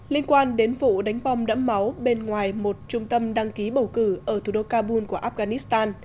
liên quan đến vụ đánh bom đẫm máu bên ngoài một trung tâm đăng ký bầu cử ở thủ đô kabul của afghanistan